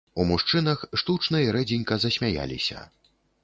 У мужчынах штучна і рэдзенька засмяяліся.